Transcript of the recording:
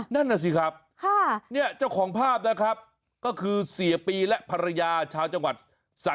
นั่นน่ะสิครับเนี่ยเจ้าของภาพนะครับก็คือเสียปีและภรรยาชาวจังหวัดสะ